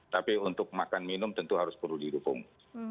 tapi untuk makan minum tentu harus perlu didukung